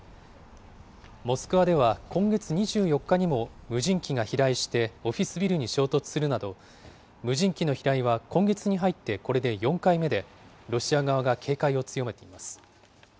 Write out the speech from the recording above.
モスクワでは今月２４日にも無人機が飛来して、オフィスビルに衝突するなど、無人機の飛来は今月に入って、これで４回目で、ロシア側が警戒を強めています。